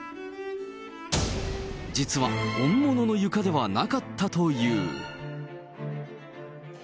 実は本物の床ではなかったという。